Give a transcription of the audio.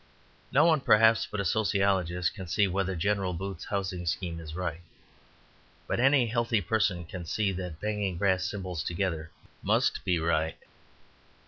No one, perhaps, but a sociologist can see whether General Booth's housing scheme is right. But any healthy person can see that banging brass cymbals together must be right.